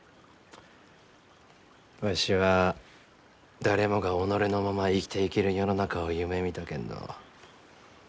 わしは誰もが己のまま生きていける世の中を夢みたけんど。